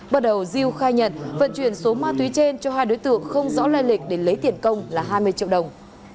bắt đầu diêu khai nhận vận chuyển số ma túy trên cho hai đối tượng không rõ lai lịch để lấy tiền công là hai mươi triệu đồng